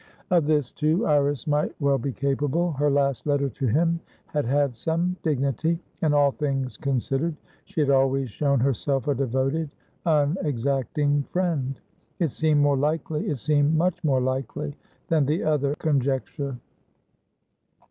Of this, too, Iris might well be capable. Her last letter to him had had some dignity, and, all things considered, she had always shown herself a devoted, unexacting friend. It seemed more likely, it seemed much more likely, than the other conjecture.